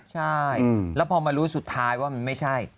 ใช่แล้วพอมารู้สุดท้ายว่ามันไม่ใช่